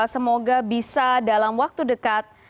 semoga bisa dalam waktu dekat